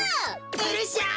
うるしゃい！